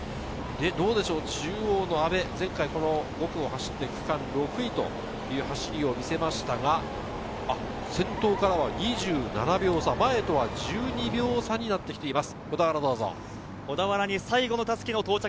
中央の阿部、前回５区を走って区間６位という走りを見せましたが先頭からは２７秒差、前とは１２秒差になってきています。